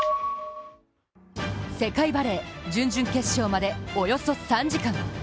世界バレー、準々決勝までおよそ３時間。